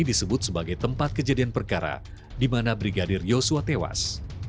disebut sebagai tempat kejadian perkara di mana brigadir yosua tewas